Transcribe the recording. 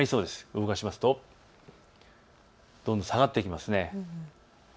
動かしますとどんどん下がってきます。